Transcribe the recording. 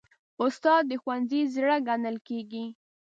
استاد د ښوونځي زړه ګڼل کېږي.